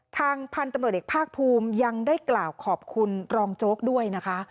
ทางพันธุ์ตำรวจเอกภาคภูมิยังได้กล่าวขอบคุณรองโจ๊กด้วยนะคะ